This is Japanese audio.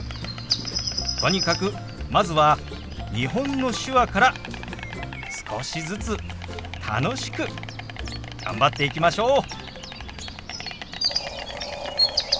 とにかくまずは日本の手話から少しずつ楽しく頑張っていきましょう。